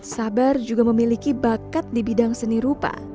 sabar juga memiliki bakat di bidang seni rupa